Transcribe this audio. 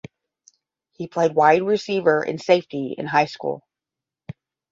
He played wide receiver and safety in high school.